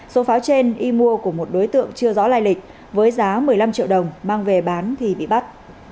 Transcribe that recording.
số pháo trên y mua của một đối tượng chưa rõ lai lịch với giá một mươi năm triệu đồng mang về bán thì bị bắt